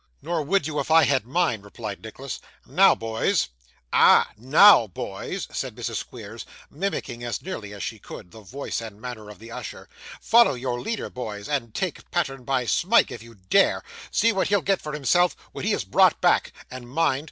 'Nor would you if I had mine,' replied Nicholas. 'Now, boys!' 'Ah! Now, boys,' said Mrs. Squeers, mimicking, as nearly as she could, the voice and manner of the usher. 'Follow your leader, boys, and take pattern by Smike if you dare. See what he'll get for himself, when he is brought back; and, mind!